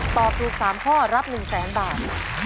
ตอบถูก๓ข้อรับ๑๐๐๐๐๐บาท